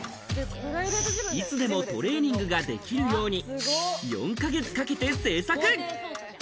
いつでもトレーニングができるように４か月かけて製作。